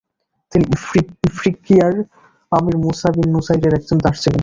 তিনি ইফ্রিকিয়ার Amir Musa bin নুসাইরের একজন দাস ছিলেন।